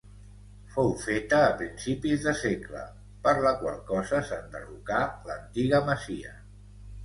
Fou feta a principis de segle, per la qual cosa s'enderrocà l'antiga masia.